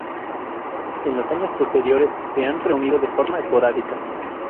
En los años posteriores se han reunido de forma esporádica.